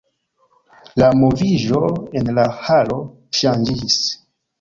La moviĝo en la halo ŝanĝiĝis.